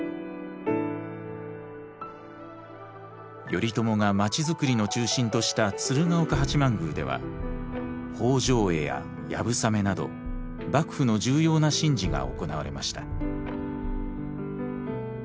頼朝が町づくりの中心とした鶴岡八幡宮では放生会や流鏑馬など幕府の重要な神事が行われました。